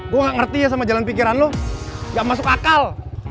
gue gak ngerti ya sama jalan pikiran lo gak masuk akal